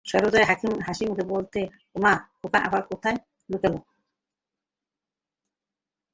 সর্বজয়া হাসিমুখে বলিত-ওমা, খোকা আবার কোথায় লুকুলো?